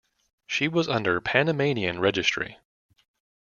She was under Panamanian registry.